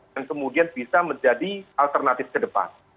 dan kemudian bisa menjadi alternatif ke depan